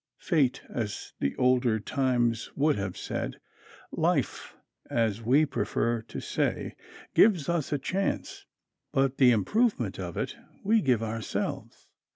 Fate, as the older times would have said life, as we prefer to say gives us a chance. But the improvement of it we give ourselves.